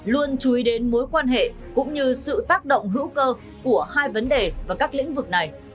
luôn chú ý đến mối quan hệ cũng như sự tác động hữu cơ của hai vấn đề và các lĩnh vực này